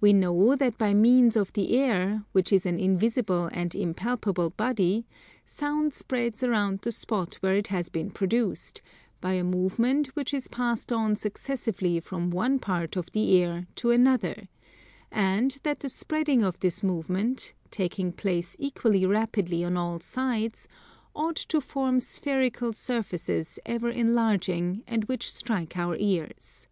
We know that by means of the air, which is an invisible and impalpable body, Sound spreads around the spot where it has been produced, by a movement which is passed on successively from one part of the air to another; and that the spreading of this movement, taking place equally rapidly on all sides, ought to form spherical surfaces ever enlarging and which strike our ears.